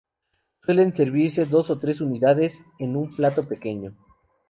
Suelen servirse dos o tres unidades en un plato pequeño.